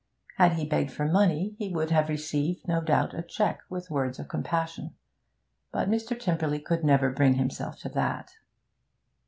Had he begged for money, he would have received, no doubt, a cheque, with words of compassion; but Mr. Tymperley could never bring himself to that.